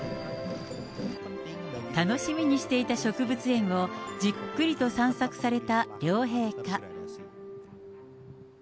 楽しみにしていた植物園をじっくりと散策された両陛下。